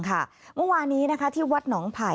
ค่ะวันนี้นะคะที่วัดหนองไผ่